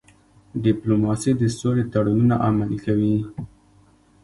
ډيپلوماسي د سولې تړونونه عملي کوي.